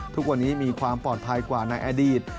ทุกวันนี้มีความปลอดภัยกว่าในอดีต